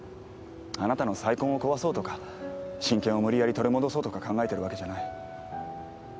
あなたの再婚を壊そうとか親権を無理やり取り戻そうとか考えてるわけじゃない。